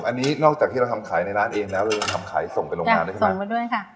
อันนี้นอกจากที่เราทำขายในร้านเองแล้วเรายังทำขายส่งไปโรงงานได้ขึ้นมาด้วยค่ะ